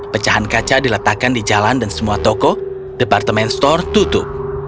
pecahan kaca diletakkan di jalan dan semua toko departemen store tutup